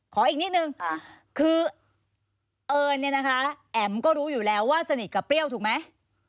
อีกนิดนึงคือเอิญเนี่ยนะคะแอ๋มก็รู้อยู่แล้วว่าสนิทกับเปรี้ยวถูกไหม